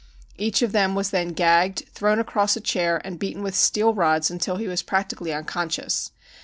Each of them was then gagged, thrown across a chair and beaten with steel rods until he was practically unconscious.